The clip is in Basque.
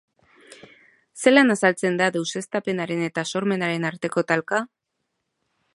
Zelan azaltzen da deuseztapenaren eta sormenaren arteko talka?